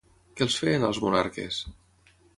Què els feien als monarques?